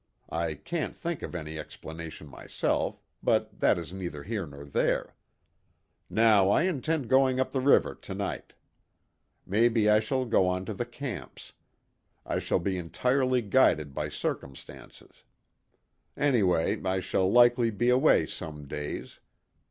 I can't think of any explanation myself, but that is neither here nor there. Now I intend going up the river to night. Maybe I shall go on to the camps. I shall be entirely guided by circumstances. Anyway I shall likely be away some days.